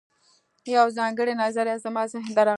یوه ځانګړې نظریه زما ذهن ته راغله